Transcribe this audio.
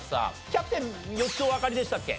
キャプテン４つおわかりでしたっけ？